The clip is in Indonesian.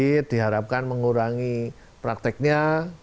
mereka juga harus mengurangi prakteknya